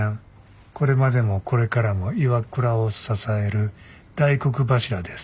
これまでもこれからもＩＷＡＫＵＲＡを支える大黒柱です」。